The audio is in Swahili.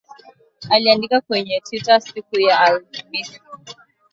Aliandika kwenye Twitter siku ya Alhamisi